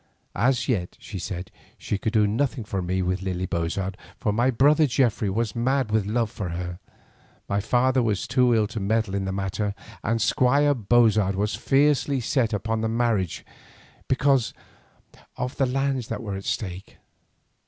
As yet, she said, she could do nothing for me with Lily Bozard, for my brother Geoffrey was mad with love for her, my father was too ill to meddle in the matter, and Squire Bozard was fiercely set upon the marriage because of the lands that were at stake.